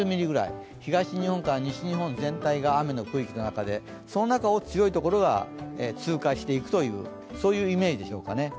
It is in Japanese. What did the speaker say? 東日本から西日本全体が雨の区域の中で、その中を強いところが通過していくというイメージでしょうかね。